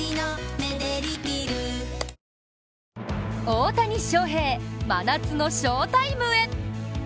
大谷翔平、真夏の翔タイムへ。